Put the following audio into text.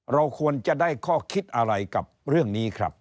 เราควรจะได้ข้อคิดอะไรกับเรื่องนี้ครับ